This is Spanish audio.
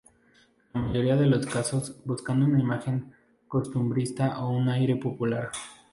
En la mayoría de los casos buscando una imagen costumbrista, o un aire popular.